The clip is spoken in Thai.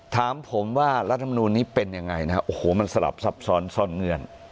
ถามผมว่ารัฐมนูลนี้เป็นยังไงนะฮะโอ้โหมันสลับซับซ้อนซ่อนเงื่อน